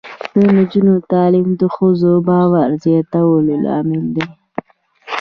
د نجونو تعلیم د ښځو باور زیاتولو لامل دی.